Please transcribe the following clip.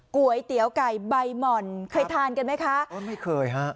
ก๋วยเตี๋ยวไก่ใบหม่อนเคยทานกันไหมคะโอ้ไม่เคยฮะ